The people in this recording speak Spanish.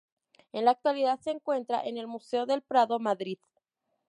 En la actualidad se encuentra en el Museo del Prado, Madrid.